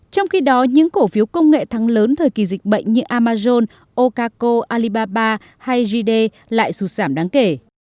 trong khi đó những cổ phiếu công nghệ thắng lớn thời kỳ dịch bệnh như amazon okako alibaba hay gd lại sụt giảm đáng kể